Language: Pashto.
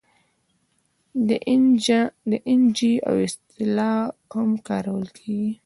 د این جي او اصطلاح هم کارولی شو.